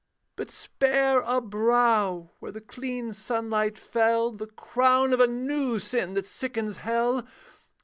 'But spare a brow where the clean sunlight fell, The crown of a new sin that sickens hell.